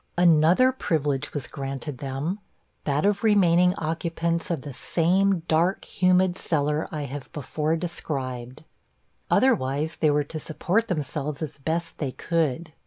Another privilege was granted them that of remaining occupants of the same dark, humid cellar I have before described: otherwise, they were to support themselves as they best could.